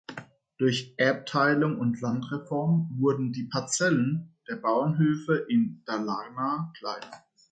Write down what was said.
Durch Erbteilung und Landreform wurden die Parzellen der Bauernhöfe in Dalarna kleiner.